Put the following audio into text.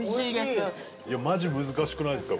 マジ難しくないですか？